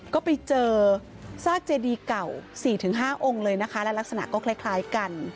ก็ไปเจอซากเจดีเก่า๔๕องค์เลยนะคะและลักษณะก็คล้ายกัน